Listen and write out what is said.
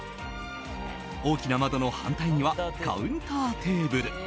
大きな窓の反対にはカウンターテーブル。